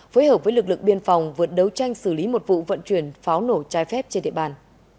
phối hợp với lực lượng biên phòng vượt đấu tranh xử lý một vụ vận chuyển pháo nổ trái phép trên địa bàn